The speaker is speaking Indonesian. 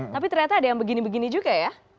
tapi ternyata ada yang begini begini juga ya